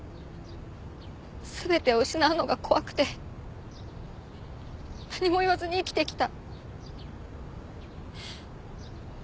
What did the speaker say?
全てを失うのが怖くて何も言わずに生きてきた。